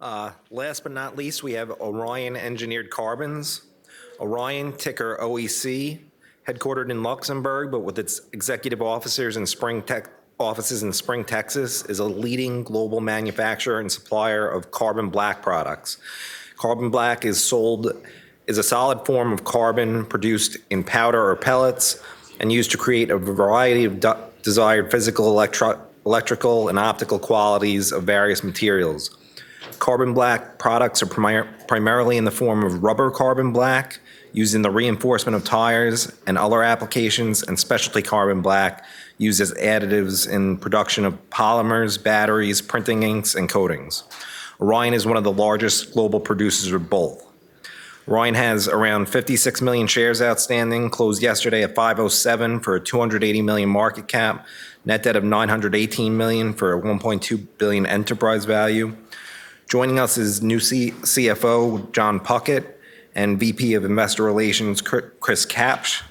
Okay, last but not least, we have Orion Engineered Carbons. Orion, ticker OEC, headquartered in Luxembourg, but with its executive officers in offices in Spring, Texas, is a leading global manufacturer and supplier of carbon black products. Carbon black is a solid form of carbon produced in powder or pellets and used to create a variety of desired physical, electrical, and optical qualities of various materials. Carbon black products are primarily in the form of rubber carbon black, used in the reinforcement of tires and other applications, and specialty carbon black used as additives in production of polymers, batteries, printing inks, and coatings. Orion is one of the largest global producers of both. Orion has around 56 million shares outstanding, closed yesterday at $5.07 for a $280 million market cap, net debt of $918 million for a $1.2 billion enterprise value. Joining us is new CFO, Jon Puckett, and VP of Investor Relations, Chris Kapsch.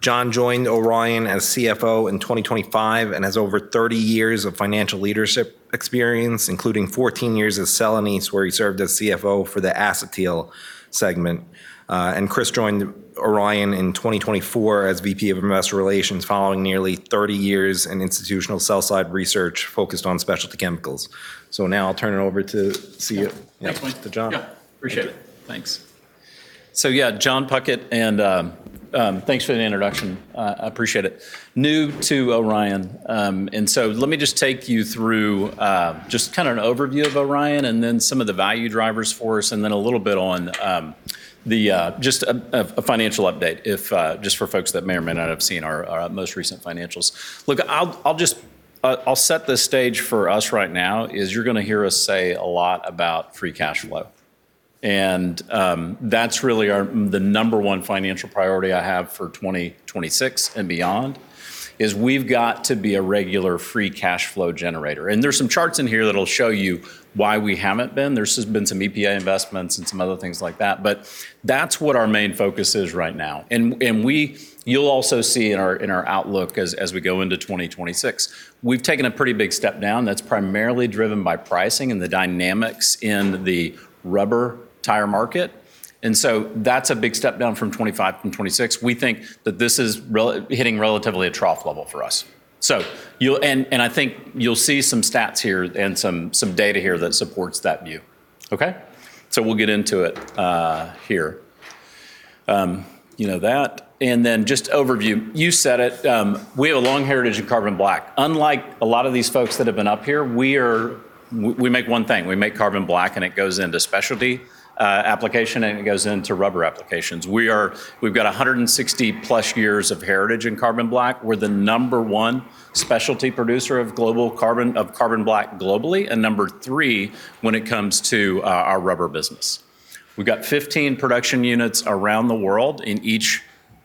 John joined Orion as CFO in 2025 and has over 30 years of financial leadership experience, including 14 years at Celanese, where he served as CFO for the acetyl segment. Chris joined Orion in 2024 as VP of Investor Relations following nearly 30 years in institutional sell-side research focused on specialty chemicals. Now I'll turn it over to CFO- Thanks, Mike. to Jon. Yeah. Appreciate it. Thank you. Thanks. Yeah, Jon Puckett, and thanks for the introduction. I appreciate it. New to Orion, and so let me just take you through just kinda an overview of Orion and then some of the value drivers for us and then a little bit on the just a financial update, if just for folks that may or may not have seen our most recent financials. Look, I'll just set the stage for us right now. You're gonna hear us say a lot about free cash flow. That's really the number one financial priority I have for 2026 and beyond, is we've got to be a regular free cash flow generator. There's some charts in here that'll show you why we haven't been. There's just been some EPA investments and some other things like that, but that's what our main focus is right now. You'll also see in our outlook as we go into 2026, we've taken a pretty big step down that's primarily driven by pricing and the dynamics in the rubber tire market. That's a big step down from 2025 and 2026. We think that this is relatively hitting a trough level for us. You'll see some stats here and some data here that supports that view. Okay. We'll get into it here. You know that. Then just overview. You said it, we have a long heritage in carbon black. Unlike a lot of these folks that have been up here, we make one thing. We make carbon black, and it goes into specialty application, and it goes into rubber applications. We've got 160+ years of heritage in carbon black. We're the number one specialty producer of carbon black globally, and number three when it comes to our rubber business. We've got 15 production units around the world in each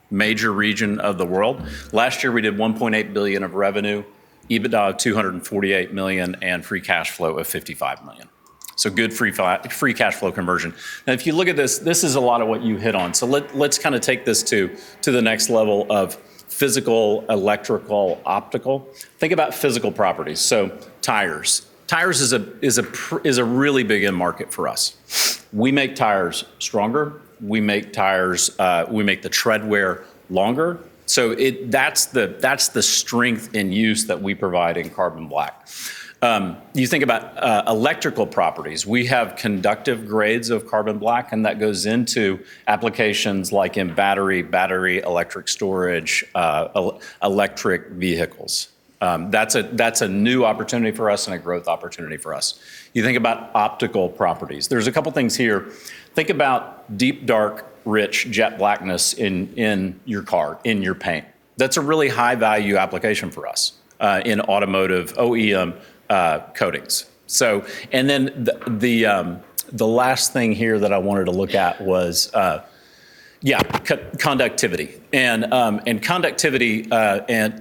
major region of the world. Last year, we did 1.8 billion of revenue, EBITDA 248 million, and free cash flow of 55 million. Good free cash flow conversion. If you look at this is a lot of what you hit on. Let's kinda take this to the next level of physical, electrical, optical. Think about physical properties. Tires. Tires is a really big end market for us. We make tires stronger. We make tires, we make the tread wear longer. That's the strength in use that we provide in carbon black. You think about electrical properties. We have conductive grades of carbon black, and that goes into applications like in battery electric storage, electric vehicles. That's a new opportunity for us and a growth opportunity for us. You think about optical properties. There's a couple things here. Think about deep, dark, rich jet blackness in your car, in your paint. That's a really high value application for us, in automotive OEM, coatings. And then the last thing here that I wanted to look at was conductivity. Conductivity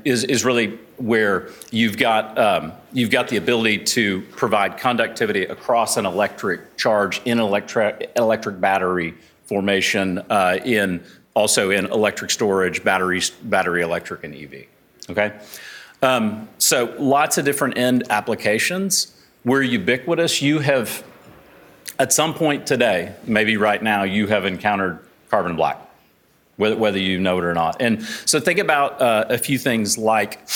is really where you've got the ability to provide conductivity across an electric charge in electric battery formation, also in electric storage batteries, battery electric and EV. Okay? Lots of different end applications. We're ubiquitous. You have, at some point today, maybe right now, you have encountered carbon black, whether you know it or not. Think about a few things like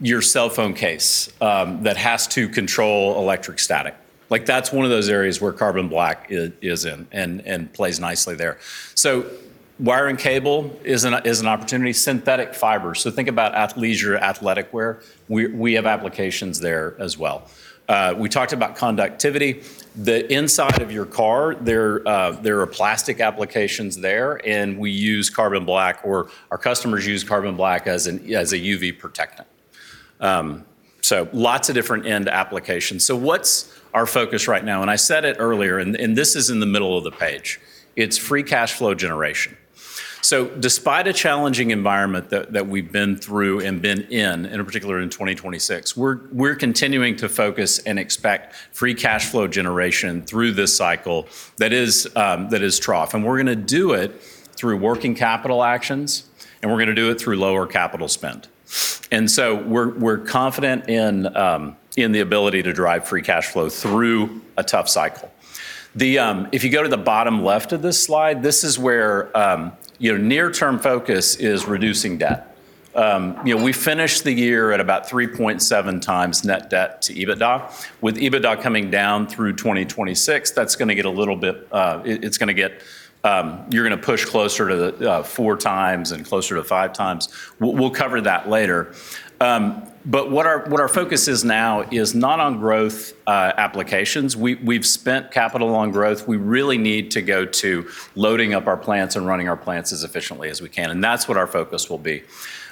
your cell phone case that has to control electrostatic. Like, that's one of those areas where carbon black is in and plays nicely there. Wire and cable is an opportunity. Synthetic fiber, think about athleisure athletic wear. We have applications there as well. We talked about conductivity. The inside of your car, there are plastic applications there, and we use carbon black, or our customers use carbon black as a UV protectant. Lots of different end applications. What's our focus right now? I said it earlier, this is in the middle of the page. It's free cash flow generation. Despite a challenging environment we've been through and been in, and in particular in 2026, we're continuing to focus and expect free cash flow generation through this cycle that is trough. We're gonna do it through working capital actions, and we're gonna do it through lower capital spend. We're confident in the ability to drive free cash flow through a tough cycle. If you go to the bottom left of this slide, this is where your near-term focus is reducing debt. You know, we finished the year at about 3.7x net debt to EBITDA. With EBITDA coming down through 2026, that's gonna get a little bit. You're gonna push closer to the 4x and closer to 5x. We'll cover that later. But what our focus is now is not on growth applications. We've spent capital on growth. We really need to go to loading up our plants and running our plants as efficiently as we can, and that's what our focus will be.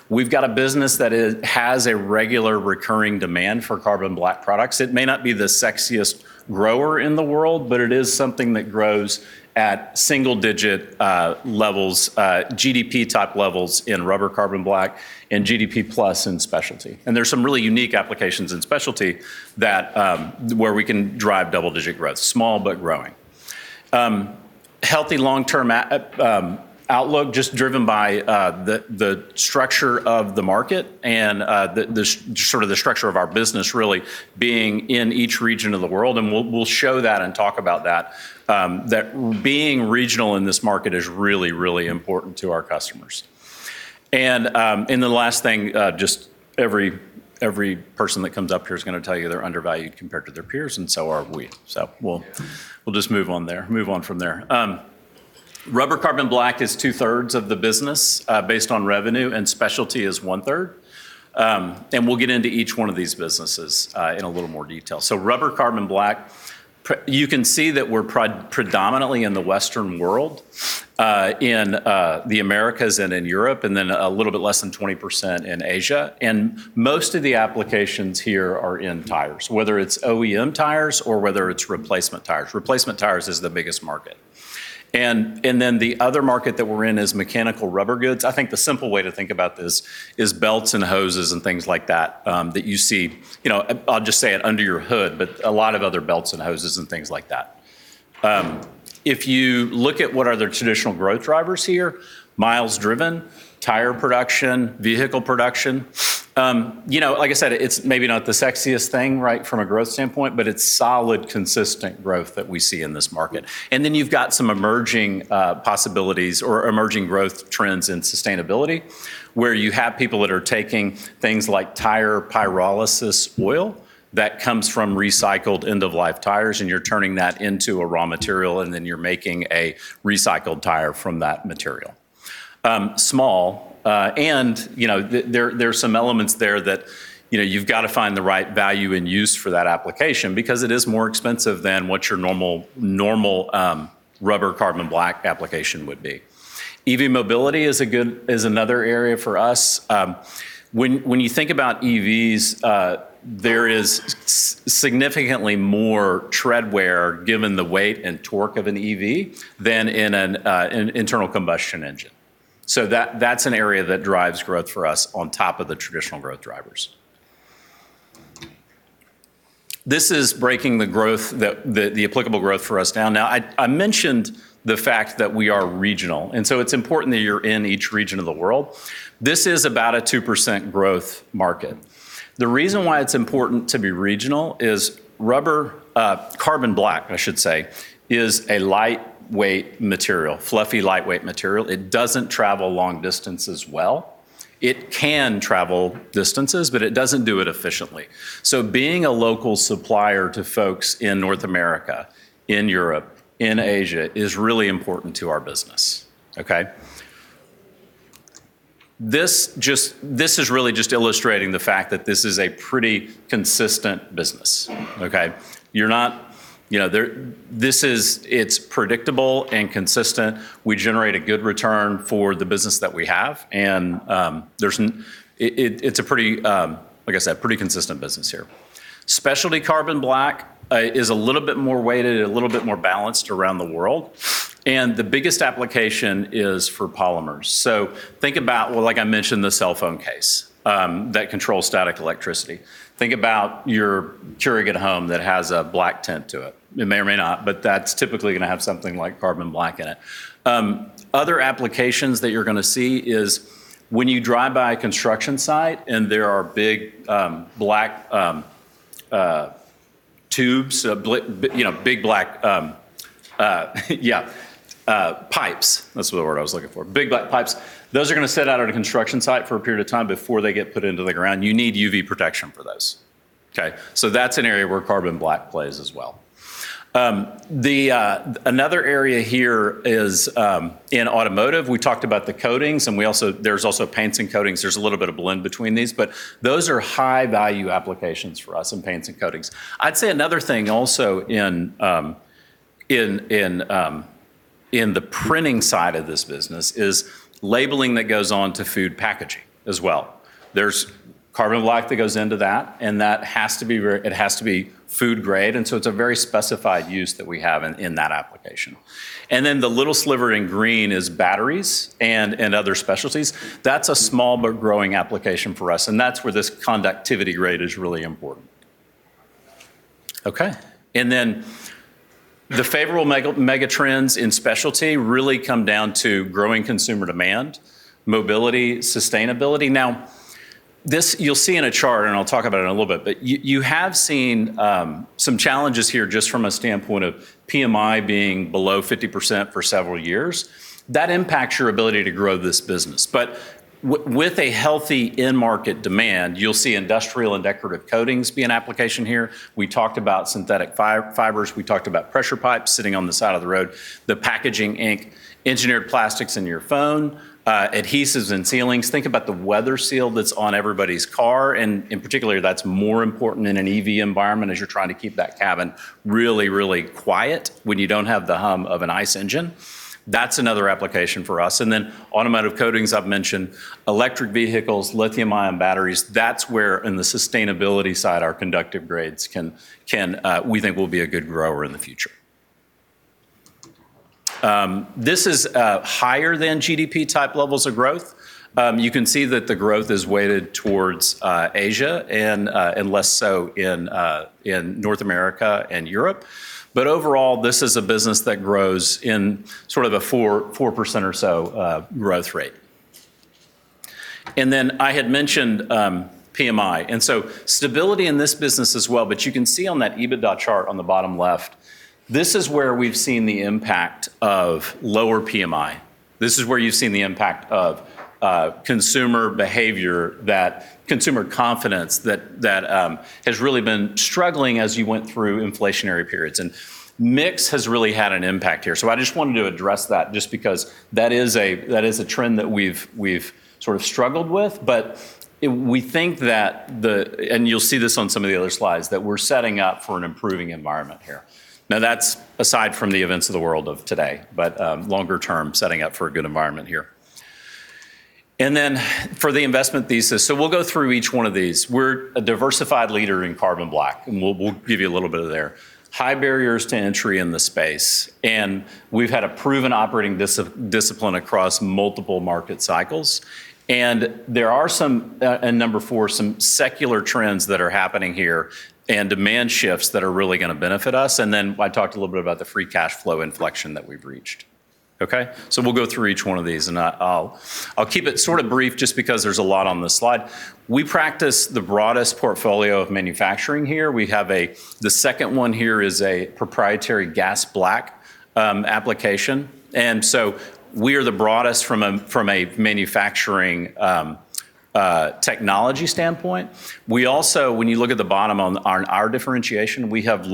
We've got a business that has a regular recurring demand for carbon black products. It may not be the sexiest grower in the world, but it is something that grows at single digit levels, GDP type levels in rubber carbon black and GDP plus in specialty. There's some really unique applications in specialty that where we can drive double-digit growth. Small but growing. Healthy long-term outlook just driven by the structure of the market and the structure of our business really being in each region of the world, and we'll show that and talk about that being regional in this market is really, really important to our customers. The last thing, just every person that comes up here is gonna tell you they're undervalued compared to their peers and so are we. We'll just move on from there. Rubber carbon black is 2/3 of the business, based on revenue, and specialty is 1/3. We'll get into each one of these businesses in a little more detail. Rubber carbon black. You can see that we're predominantly in the Western world, in the Americas and in Europe, and then a little bit less than 20% in Asia. Most of the applications here are in tires, whether it's OEM tires or whether it's replacement tires. Replacement tires is the biggest market. Then the other market that we're in is mechanical rubber goods. I think the simple way to think about this is belts and hoses and things like that you see, you know, I'll just say it, under your hood, but a lot of other belts and hoses and things like that. If you look at what are their traditional growth drivers here, miles driven, tire production, vehicle production. You know, like I said, it's maybe not the sexiest thing, right, from a growth standpoint, but it's solid, consistent growth that we see in this market. Then you've got some emerging possibilities or emerging growth trends in sustainability, where you have people that are taking things like tire pyrolysis oil that comes from recycled end-of-life tires, and you're turning that into a raw material, and then you're making a recycled tire from that material. Small, and you know, there are some elements there that, you know, you've gotta find the right value and use for that application because it is more expensive than what your normal rubber carbon black application would be. EV mobility is a good is another area for us. When you think about EVs, there is significantly more tread wear given the weight and torque of an EV than in an internal combustion engine. That's an area that drives growth for us on top of the traditional growth drivers. This is breaking the applicable growth for us down. Now I mentioned the fact that we are regional, and so it's important that you're in each region of the world. This is about a 2% growth market. The reason why it's important to be regional is rubber carbon black, I should say, is a lightweight material, fluffy, lightweight material. It doesn't travel long distances well. It can travel distances, but it doesn't do it efficiently. Being a local supplier to folks in North America, in Europe, in Asia is really important to our business, okay? This is really just illustrating the fact that this is a pretty consistent business, okay? It's predictable and consistent. We generate a good return for the business that we have, and it's a pretty, like I said, pretty consistent business here. Specialty carbon black is a little bit more weighted and a little bit more balanced around the world, and the biggest application is for polymers. Think about, well, like I mentioned, the cell phone case that controls static electricity. Think about your Keurig at home that has a black tint to it. It may or may not, but that's typically gonna have something like carbon black in it. Other applications that you're gonna see is when you drive by a construction site and there are big black pipes. That's the word I was looking for. Big black pipes. Those are gonna sit out at a construction site for a period of time before they get put into the ground. You need UV protection for those, okay? That's an area where carbon black plays as well. Another area here is in automotive. We talked about the coatings, and there's also paints and coatings. There's a little bit of blend between these, but those are high-value applications for us in paints and coatings. I'd say another thing also in the printing side of this business is labeling that goes on to food packaging as well. There's carbon black that goes into that, and that has to be food grade, and so it's a very specified use that we have in that application. Then the little sliver in green is batteries and other specialties. That's a small but growing application for us, and that's where this conductive grade is really important. Okay. Then the favorable megatrends in specialty really come down to growing consumer demand, mobility, sustainability. Now, this you'll see in a chart, and I'll talk about it in a little bit, but you have seen some challenges here just from a standpoint of PMI being below 50% for several years. That impacts your ability to grow this business. With a healthy end market demand, you'll see industrial and decorative coatings be an application here. We talked about synthetic fibers. We talked about pressure pipes sitting on the side of the road, the packaging ink, engineered plastics in your phone, adhesives and sealants. Think about the weather seal that's on everybody's car, and in particular, that's more important in an EV environment as you're trying to keep that cabin really, really quiet when you don't have the hum of an ICE engine. That's another application for us. And then automotive coatings, I've mentioned. Electric vehicles, lithium-ion batteries, that's where in the sustainability side, our conductive grades can we think will be a good grower in the future. This is higher than GDP type levels of growth. You can see that the growth is weighted towards Asia and less so in North America and Europe. Overall, this is a business that grows in sort of a 4% or so growth rate. I had mentioned PMI stability in this business as well. You can see on that EBITDA chart on the bottom left, this is where we've seen the impact of lower PMI. This is where you've seen the impact of consumer behavior, that consumer confidence that has really been struggling as you went through inflationary periods. Mix has really had an impact here. I just wanted to address that just because that is a trend that we've sort of struggled with. We think that, and you'll see this on some of the other slides, that we're setting up for an improving environment here. Now, that's aside from the events of the world of today, but longer term, setting up for a good environment here. For the investment thesis, we'll go through each one of these. We're a diversified leader in carbon black, and we'll give you a little bit of that. High barriers to entry in the space, and we've had a proven operating discipline across multiple market cycles. There are some, and number four, some secular trends that are happening here and demand shifts that are really gonna benefit us. I talked a little bit about the free cash flow inflection that we've reached. Okay. We'll go through each one of these, and I'll keep it sort of brief just because there's a lot on this slide. We possess the broadest portfolio of manufacturing here. The second one here is a proprietary gas black application. We are the broadest from a manufacturing technology standpoint. We also, when you look at the bottom on our differentiation, we have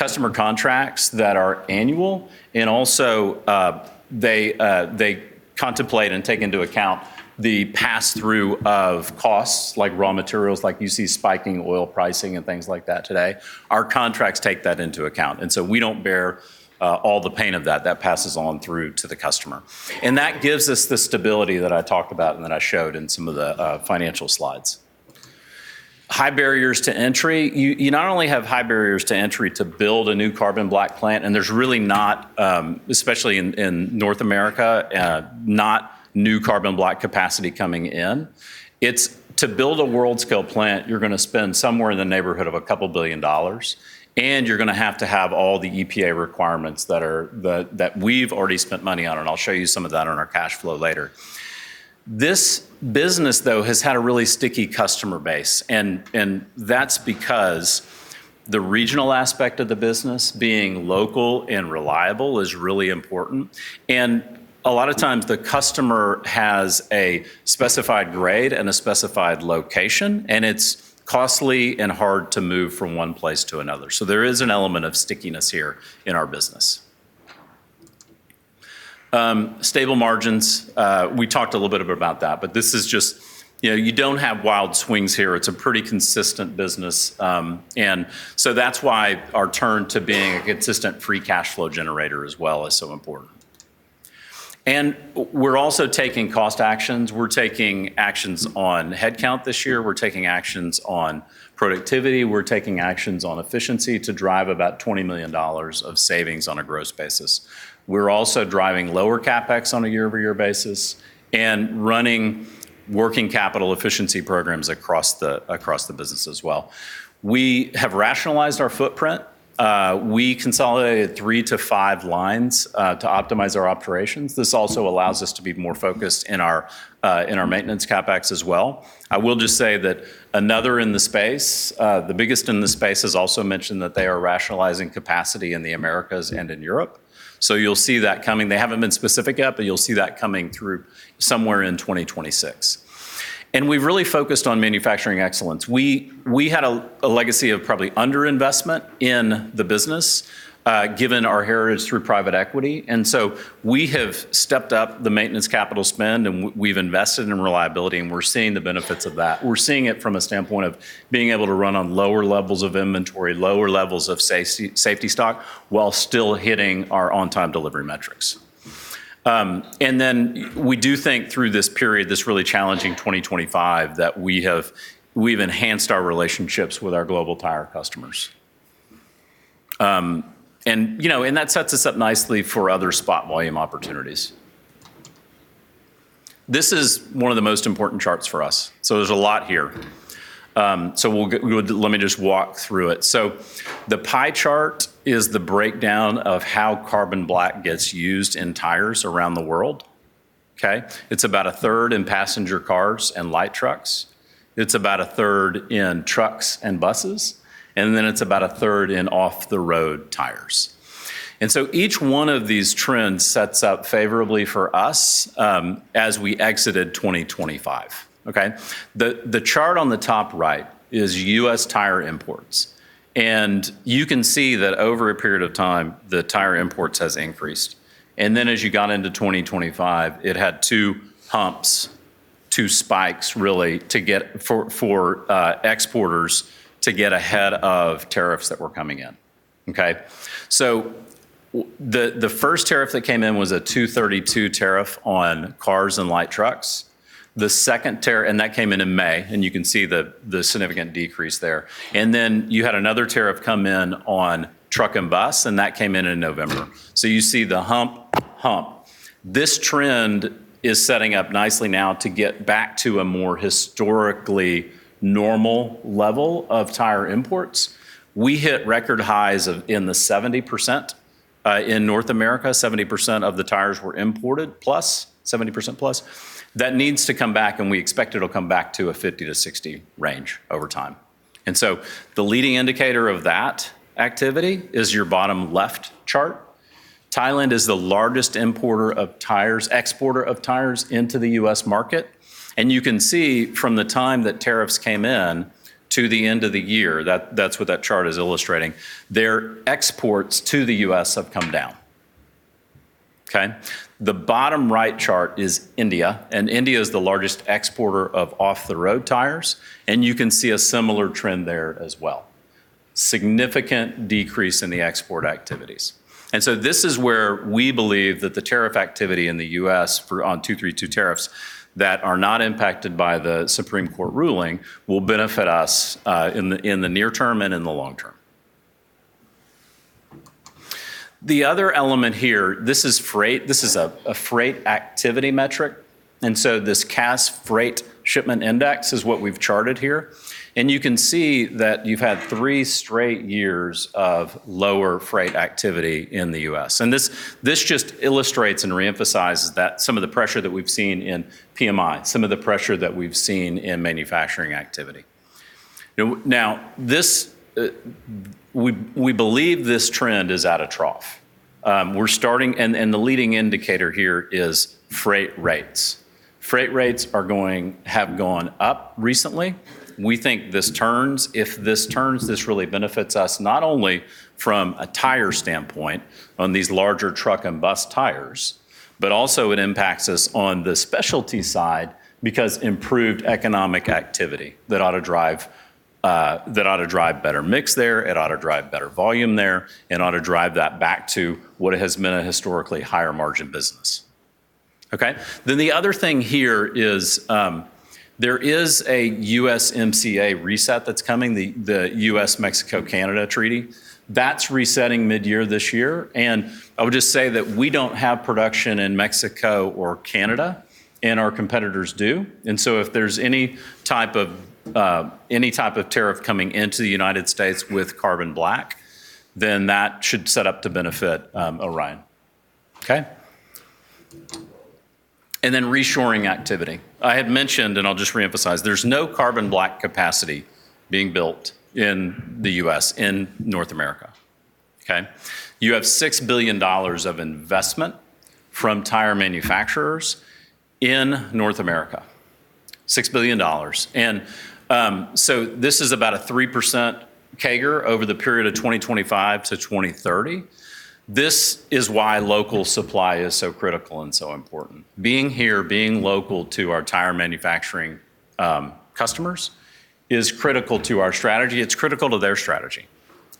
customer contracts that are annual, and also they contemplate and take into account the pass-through of costs like raw materials, like you see spiking oil pricing and things like that today. Our contracts take that into account, and we don't bear all the pain of that. That passes on through to the customer. That gives us the stability that I talked about and that I showed in some of the financial slides. High barriers to entry. You not only have high barriers to entry to build a new carbon black plant, and there's really not, especially in North America, not new carbon black capacity coming in. It's to build a world-scale plant, you're gonna spend somewhere in the neighborhood of $2 billion, and you're gonna have to have all the EPA requirements that we've already spent money on, and I'll show you some of that on our cash flow later. This business, though, has had a really sticky customer base and that's because the regional aspect of the business, being local and reliable is really important. A lot of times the customer has a specified grade and a specified location, and it's costly and hard to move from one place to another. So there is an element of stickiness here in our business. Stable margins, we talked a little bit about that, but this is just you know, you don't have wild swings here. It's a pretty consistent business, and so that's why our turn to being a consistent free cash flow generator as well is so important. We're also taking cost actions. We're taking actions on headcount this year. We're taking actions on productivity. We're taking actions on efficiency to drive about $20 million of savings on a gross basis. We're also driving lower CapEx on a year-over-year basis and running working capital efficiency programs across the business as well. We have rationalized our footprint. We consolidated three to five lines to optimize our operations. This also allows us to be more focused in our maintenance CapEx as well. I will just say that another in the space, the biggest in the space, has also mentioned that they are rationalizing capacity in the Americas and in Europe. You'll see that coming. They haven't been specific yet, but you'll see that coming through somewhere in 2026. We've really focused on manufacturing excellence. We had a legacy of probably under-investment in the business, given our heritage through private equity. We have stepped up the maintenance capital spend, and we've invested in reliability, and we're seeing the benefits of that. We're seeing it from a standpoint of being able to run on lower levels of inventory, lower levels of safety stock, while still hitting our on-time delivery metrics. We do think through this period, this really challenging 2025, that we have, we've enhanced our relationships with our global tire customers. You know, that sets us up nicely for other spot volume opportunities. This is one of the most important charts for us, so there's a lot here. Well, let me just walk through it. The pie chart is the breakdown of how carbon black gets used in tires around the world, okay? It's about 1/3 in passenger cars and light trucks, it's about a 1/3 in trucks and buses, and then it's about 1/3 in off-the-road tires. Each one of these trends sets up favorably for us as we exited 2025, okay? The chart on the top right is U.S. tire imports, and you can see that over a period of time, the tire imports has increased. As you got into 2025, it had two bumps, two spikes really for exporters to get ahead of tariffs that were coming in, okay? The first tariff that came in was a Section 232 tariff on cars and light trucks. That came in in May, and you can see the significant decrease there. Then you had another tariff come in on trucks and buses, and that came in in November. You see the hump. This trend is setting up nicely now to get back to a more historically normal level of tire imports. We hit record highs of in the 70% in North America. 70% of the tires were imported plus, 70% plus. That needs to come back, and we expect it'll come back to a 50%-60% range over time. The leading indicator of that activity is your bottom left chart. Thailand is the largest importer of tires, exporter of tires into the U.S. market. You can see from the time that tariffs came in to the end of the year, that's what that chart is illustrating, their exports to the U.S. have come down, okay. The bottom right chart is India, and India is the largest exporter of off-the-road tires, and you can see a similar trend there as well. Significant decrease in the export activities. This is where we believe that the tariff activity in the U.S. for Section 232 tariffs that are not impacted by the Supreme Court ruling will benefit us, in the near term and in the long term. The other element here, this is freight. This is a freight activity metric, and so this Cass Freight Shipment Index is what we've charted here. You can see that you've had three straight years of lower freight activity in the U.S.. This just illustrates and re-emphasizes that some of the pressure that we've seen in PMI, some of the pressure that we've seen in manufacturing activity. We believe this trend is at a trough. The leading indicator here is freight rates. Freight rates have gone up recently. We think this turns. If this turns, this really benefits us not only from a tire standpoint on these larger truck and bus tires, but also it impacts us on the specialty side because improved economic activity that ought to drive better mix there, it ought to drive better volume there, it ought to drive that back to what has been a historically higher margin business, okay? Then the other thing here is, there is a USMCA reset that's coming, the U.S.-Mexico-Canada treaty. That's resetting mid-year this year. I would just say that we don't have production in Mexico or Canada, and our competitors do. If there's any type of tariff coming into the United States with carbon black, then that should set up to benefit Orion, okay? Reshoring activity. I had mentioned, and I'll just re-emphasize, there's no carbon black capacity being built in the U.S., in North America, okay? You have $6 billion of investment from tire manufacturers in North America. $6 billion. This is about a 3% CAGR over the period of 2025-2030. This is why local supply is so critical and so important. Being here, being local to our tire manufacturing customers is critical to our strategy. It's critical to their strategy.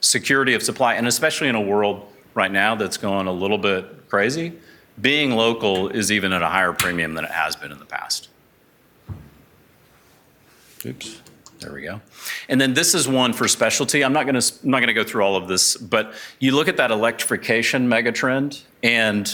Security of supply, and especially in a world right now that's gone a little bit crazy, being local is even at a higher premium than it has been in the past. Oops, there we go. This is one for specialty. I'm not gonna go through all of this, but you look at that electrification mega trend and,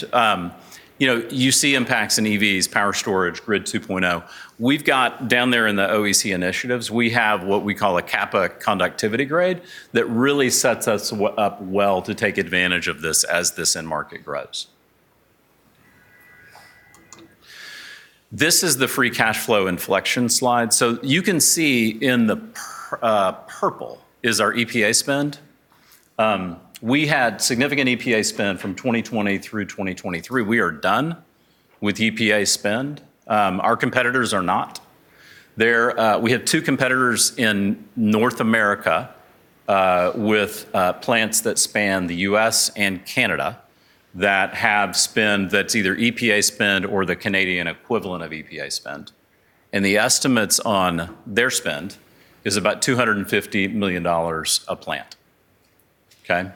you know, you see impacts in EVs, power storage, Grid 2.0. We've got, down there in the OEC initiatives, we have what we call a kappa conductivity grade that really sets us up well to take advantage of this as this end market grows. This is the free cash flow inflection slide. You can see in the purple is our EPA spend. We had significant EPA spend from 2020 through 2023. We are done with EPA spend. Our competitors are not. They're we have two competitors in North America with plants that span the U.S. and Canada that have spend that's either EPA spend or the Canadian equivalent of EPA spend. The estimates on their spend is about $250 million a plant, okay?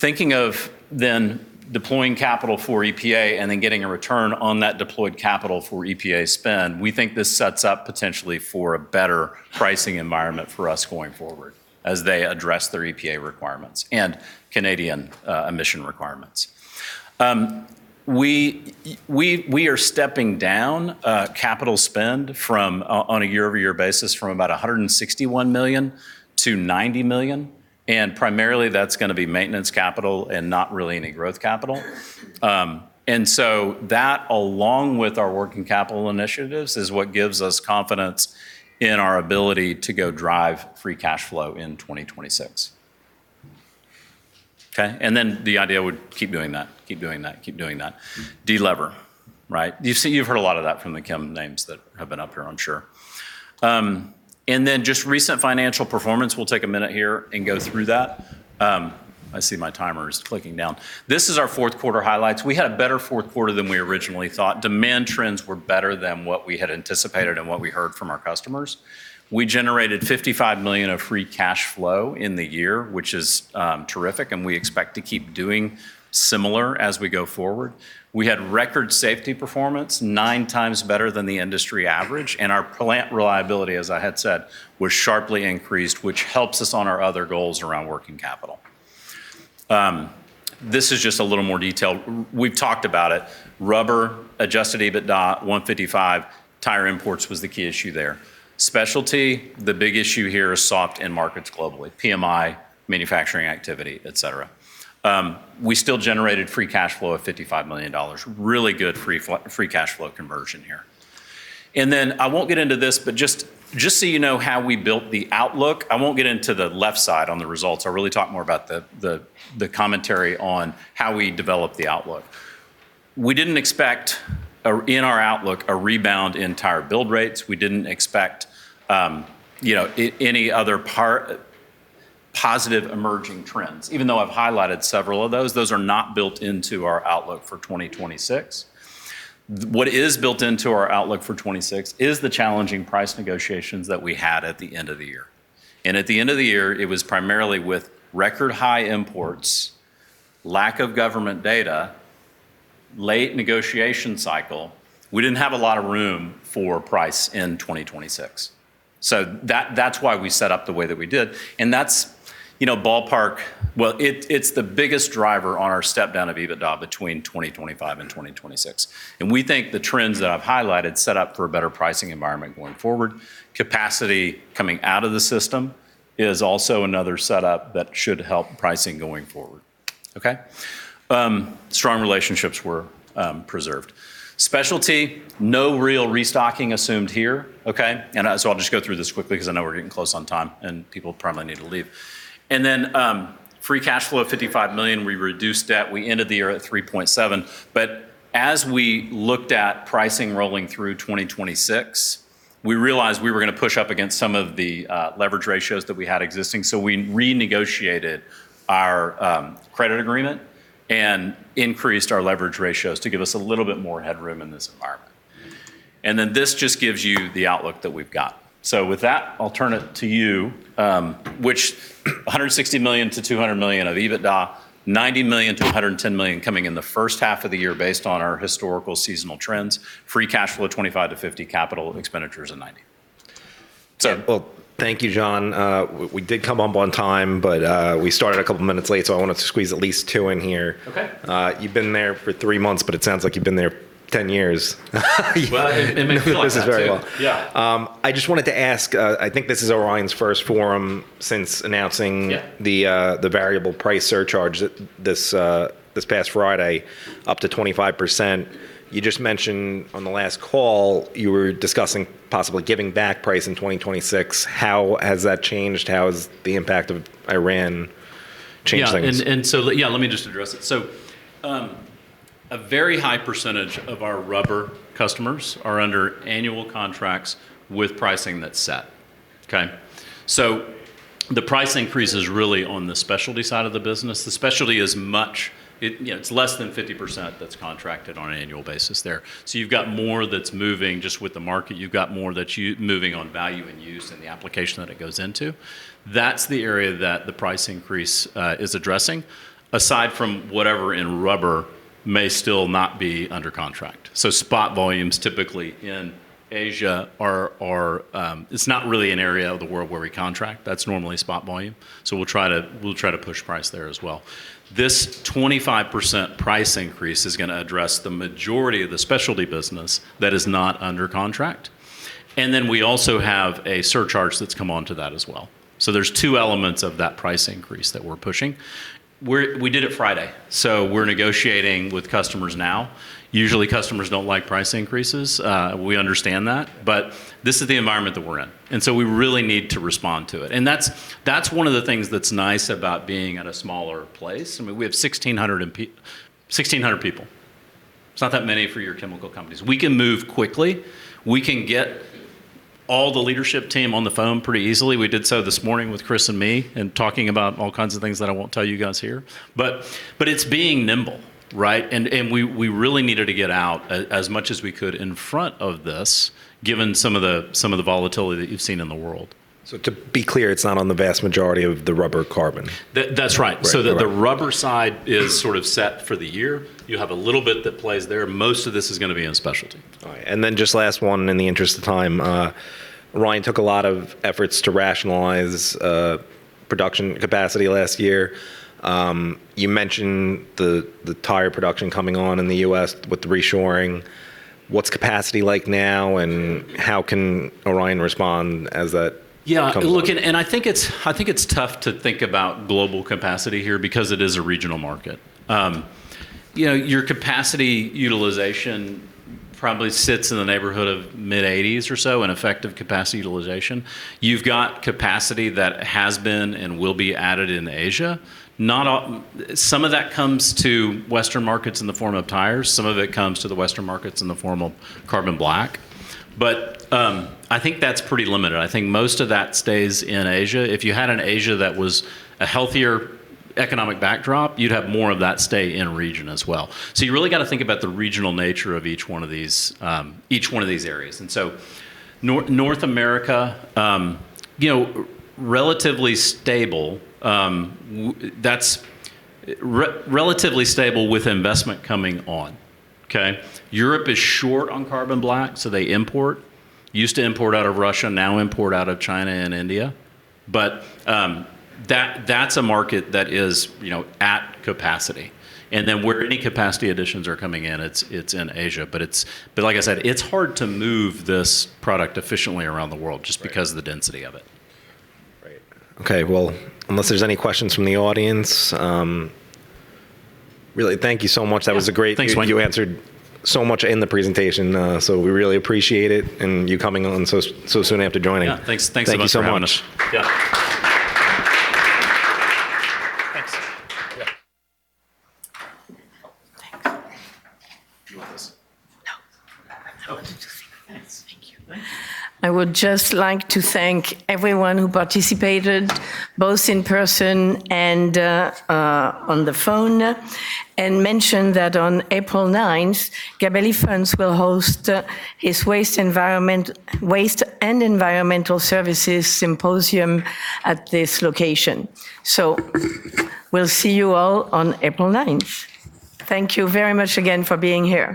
Thinking of then deploying capital for EPA and then getting a return on that deployed capital for EPA spend, we think this sets up potentially for a better pricing environment for us going forward as they address their EPA requirements and Canadian emission requirements. We are stepping down capital spend from on a year-over-year basis from about $161 million-$90 million, and primarily that's gonna be maintenance capital and not really any growth capital. That, along with our working capital initiatives, is what gives us confidence in our ability to go drive free cash flow in 2026. Okay. The idea would keep doing that. De-lever, right? You've heard a lot of that from the chem names that have been up here, I'm sure. Just recent financial performance, we'll take a minute here and go through that. I see my timer is clicking down. This is our fourth quarter highlights. We had a better fourth quarter than we originally thought. Demand trends were better than what we had anticipated and what we heard from our customers. We generated 55 million of free cash flow in the year, which is terrific, and we expect to keep doing similar as we go forward. We had record safety performance, nine times better than the industry average, and our plant reliability, as I had said, was sharply increased, which helps us on our other goals around working capital. This is just a little more detail. We've talked about it. Rubber, adjusted EBITDA, $155 million. Tire imports was the key issue there. Specialty, the big issue here is soft end markets globally, PMI, manufacturing activity, et cetera. We still generated free cash flow of $55 million. Really good free cash flow conversion here. I won't get into this, but just so you know how we built the outlook, I won't get into the left side on the results. I really talk more about the commentary on how we developed the outlook. We didn't expect, in our outlook, a rebound in tire build rates. We didn't expect, you know, any other positive emerging trends. Even though I've highlighted several of those are not built into our outlook for 2026. What is built into our outlook for 2026 is the challenging price negotiations that we had at the end of the year. At the end of the year, it was primarily with record high imports, lack of government data, late negotiation cycle. We didn't have a lot of room for price in 2026. So that's why we set up the way that we did. That's, you know, ballpark. Well, it's the biggest driver on our step down of EBITDA between 2025 and 2026. We think the trends that I've highlighted set up for a better pricing environment going forward. Capacity coming out of the system is also another setup that should help pricing going forward, okay? Strong relationships were preserved. Specialty, no real restocking assumed here, okay? I'll just go through this quickly because I know we're getting close on time, and people probably need to leave. Free cash flow of 55 million, we reduced debt. We ended the year at 3.7 million. As we looked at pricing rolling through 2026, we realized we were gonna push up against some of the leverage ratios that we had existing, so we renegotiated our credit agreement and increased our leverage ratios to give us a little bit more headroom in this environment. This just gives you the outlook that we've got. with that, I'll turn it to you, which 160 million-200 million of EBITDA, 90 million-110 million coming in the first half of the year based on our historical seasonal trends, free cash flow of 25 million-50 million, capital expenditures of 90 million. Sir? Well, thank you, Jon. We did come up on time, but we started a couple minutes late, so I wanted to squeeze at least two in here. Okay. You've been there for three months, but it sounds like you've been there 10 years. Well, it may feel like that too. This is very well. Yeah. I just wanted to ask, I think this is Orion's first forum since announcing- Yeah The variable price surcharge that, this past Friday, up to 25%. You just mentioned on the last call you were discussing possibly giving back price in 2026. How has that changed? How has the impact of Iran changed things? Let me just address it. A very high percentage of our rubber customers are under annual contracts with pricing that's set, okay? The price increase is really on the specialty side of the business. The specialty, you know, it's less than 50% that's contracted on an annual basis there. You've got more that's moving just with the market. You've got more that's moving on value and use in the application that it goes into. That's the area that the price increase is addressing, aside from whatever in rubber may still not be under contract. Spot volumes typically in Asia are not really an area of the world where we contract. That's normally spot volume. We'll try to push price there as well. This 25% price increase is gonna address the majority of the specialty business that is not under contract. Then we also have a surcharge that's come onto that as well. There's two elements of that price increase that we're pushing. We did it Friday, so we're negotiating with customers now. Usually, customers don't like price increases. We understand that. This is the environment that we're in, and so we really need to respond to it. That's one of the things that's nice about being at a smaller place. I mean, we have 1,600 people. It's not that many for your chemical companies. We can move quickly. We can get all the leadership team on the phone pretty easily. We did so this morning with Chris and me and talking about all kinds of things that I won't tell you guys here. It's being nimble, right? We really needed to get out as much as we could in front of this, given some of the volatility that you've seen in the world. To be clear, it's not on the vast majority of the rubber carbon. That's right. Right. Right. The rubber side is sort of set for the year. You have a little bit that plays there. Most of this is gonna be in specialty. All right. Just last one in the interest of time. Orion took a lot of efforts to rationalize production capacity last year. You mentioned the tire production coming on in the U.S. with the reshoring. What's capacity like now, and how can Orion respond as that comes up? I think it's tough to think about global capacity here because it is a regional market. You know, your capacity utilization probably sits in the neighborhood of mid-80s or so in effective capacity utilization. You've got capacity that has been and will be added in Asia. Some of that comes to Western markets in the form of tires, some of it comes to the Western markets in the form of carbon black, but I think that's pretty limited. I think most of that stays in Asia. If you had an Asia that was a healthier economic backdrop, you'd have more of that stay in region as well. You really gotta think about the regional nature of each one of these areas, and North America, you know, relatively stable with investment coming on, okay? Europe is short on carbon black, so they import. Used to import out of Russia, now import out of China and India, but that market is, you know, at capacity. Where any capacity additions are coming in, it's in Asia, but like I said, it's hard to move this product efficiently around the world just because... Right of the density of it. Right. Okay. Well, unless there's any questions from the audience, really thank you so much. Yeah. That was a great- Thanks, Mike. You answered so much in the presentation, so we really appreciate it and you coming on so soon after joining. Yeah. Thanks. Thanks so much for having us. Thank you so much. Yeah. Thanks. Yeah. Thanks. Do you want this? No. I wanted to see the notes. Thank you. I would just like to thank everyone who participated, both in person and on the phone, and mention that on April 9th, Gabelli Funds will host its Waste and Environmental Services Symposium at this location. We'll see you all on April 9th. Thank you very much again for being here.